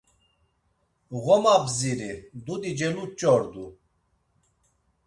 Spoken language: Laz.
Ğoma bdziri, dudi celuç̌ordu.